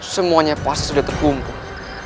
semuanya pas sudah terkumpul